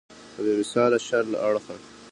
په بې مثاله شر له اړخه.